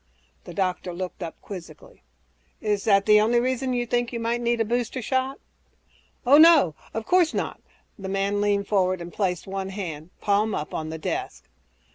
The doctor looked up quizzically, "Is that the only reason you think you might need a booster shot?" "Oh, no ... of course not!" The man leaned forward and placed one hand, palm up, on the desk.